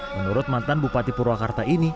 menurut mantan bupati purwakarta ini